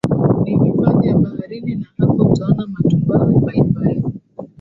Ni hifadhi ya baharini na hapa utaona matumbawe mbalimbali